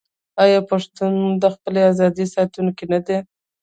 آیا پښتون د خپلې ازادۍ ساتونکی نه دی؟